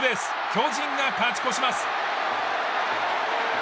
巨人が勝ち越します。